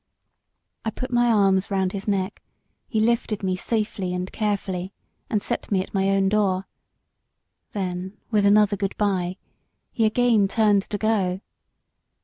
I put my arms round his neck; he lifted me safely and carefully, and set me at my own door. Then with another good bye he again turned to go.